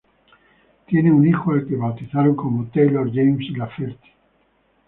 Tienen un hijo al que bautizaron como Taylor James Lafferty.